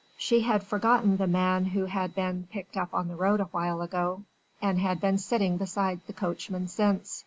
She had forgotten the man who had been picked up on the road awhile ago, and had been sitting beside the coachman since.